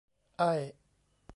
ไอ้